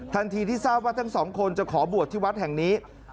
ที่ทราบว่าทั้งสองคนจะขอบวชที่วัดแห่งนี้